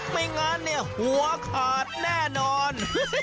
ไม่งั้นเนี่ยหัวขาดแน่นอน